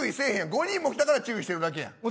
５人も来たからしてるだけやん。